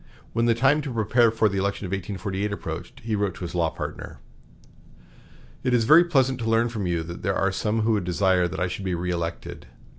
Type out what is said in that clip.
When the time to prepare for the election of 1848 approached, he wrote to his law partner: "It is very pleasant to learn from you that there are some who desire that I should be reëlected.